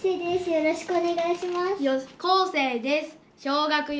よろしくお願いします。